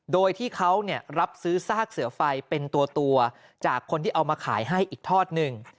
โดยที่เขารับซื้อซากเสือไฟเป็นตัวจากคนที่เอามาขายให้อีกทอดหนึ่ง